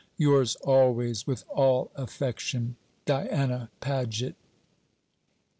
Yours always, with all affection, "DIANA PAGET."